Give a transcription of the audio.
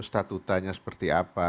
statutanya seperti apa